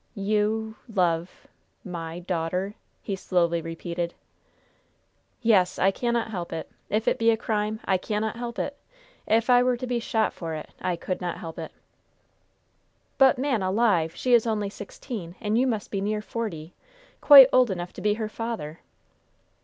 "You love my daughter!" he slowly repeated. "Yes! I cannot help it. If it be a crime, I cannot help it! If I were to be shot for it, I could not help it!" "But, man alive! she is only sixteen, and you must be near forty! Quite old enough to be her father!"